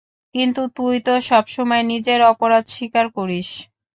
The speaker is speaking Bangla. কিন্তু তুই তো সবসময় নিজের অপরাধ স্বীকার করিস।